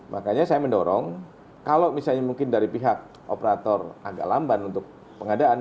makanya saya mendorong kalau misalnya mungkin dari pihak operator agak lamban untuk pengadaan